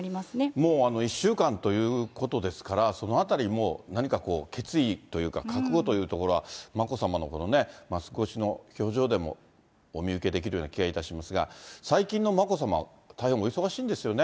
もう１週間ということですから、そのあたり、何かこう、決意というか、覚悟というところは、眞子さまのこのね、マスク越しの表情でもお見受けできるような気がいたしますが、最近の眞子さまは大変お忙しいんですよね。